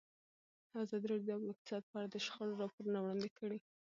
ازادي راډیو د اقتصاد په اړه د شخړو راپورونه وړاندې کړي.